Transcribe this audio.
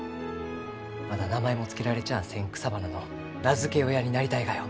まだ名前も付けられちゃあせん草花の名付け親になりたいがよ。